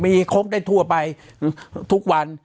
มีคกได้ทั่วไปทุกวัน